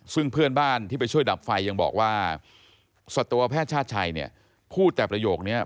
ซึ่งเพื่อนบ้านที่ไปช่วยดับไฟยังบอกว่าสัตวแพทย์ชาติชัยเนี่ยพูดแต่ประโยคนี้